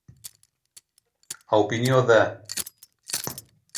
A opinió de.